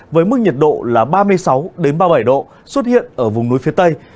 với mức nhiệt độ là ba mươi sáu ba mươi bảy độ xuất hiện ở vùng núi phía tây